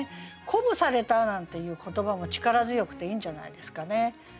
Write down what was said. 「鼓舞された」なんていう言葉も力強くていいんじゃないですかね。